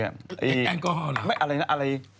แกงก้อหรอไม่อะไรนะอะไร